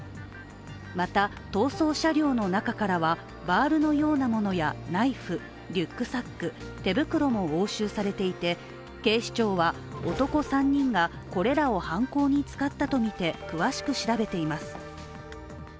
また、逃走車両の中からはバールのようなものやナイフ、リュックサック、手袋も押収されていて警視庁は男３人がこれらを犯行に使ったとみて詳しく調べています。